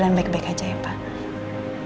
dan baik baik aja ya pak